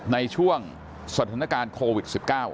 ในช่วงสถานการณ์โควิด๑๙